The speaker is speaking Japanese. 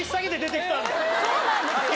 そうなんですよ。